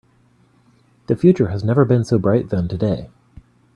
The future has never been so bright than today.